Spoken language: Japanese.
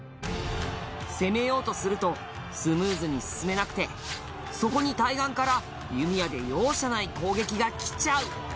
攻めようとするとスムーズに進めなくてそこに対岸から弓矢で容赦ない攻撃がきちゃう